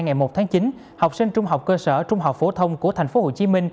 ngày một tháng chín học sinh trung học cơ sở trung học phổ thông của tp hcm